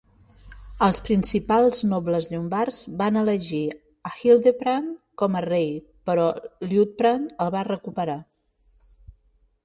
Els principals nobles llombards van elegir a Hildeprand com a rei, però Liutprand el va recuperar.